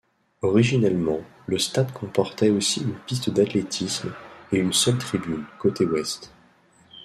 Originellement, le stade comportait aussi une piste d'athlétisme et une seule tribune, côté Ouest.